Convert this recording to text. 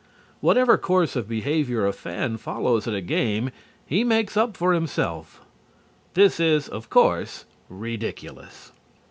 Whatever course of behavior a fan follows at a game he makes up for himself. This is, of course, ridiculous.